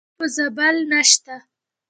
بل په زابل نشته .